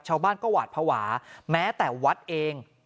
ชาวบ้านก็หวาดภาวะแม้แต่วัดเอง